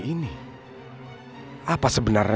tidak ada ke concretan